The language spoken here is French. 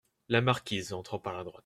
La Marquise , entrant par la droite.